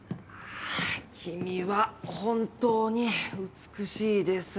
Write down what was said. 君は本当に美しいです。